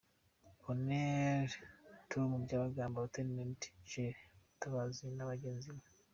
Colonel Tom Byabagamba, Lt Joel Mutabazi na bagenzi be,